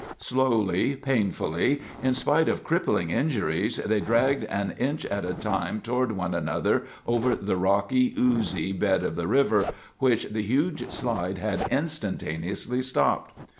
Slowly, painfully, in spite of crippling injuries, they dragged, an inch at a time, toward one another over the rocky, oozy bed of the river which the huge slide had instantaneously stopped.